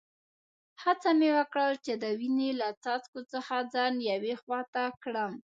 هڅه مې وکړل چي د وینې له څاڅکو څخه ځان یوې خوا ته کړم.